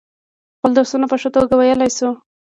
خپل درسونه په ښه توگه ویلای شو.